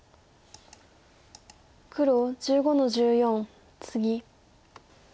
黒１５の十四ツギ。